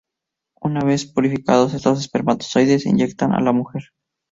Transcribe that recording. Una vez purificados estos espermatozoides, se inyectan a la mujer.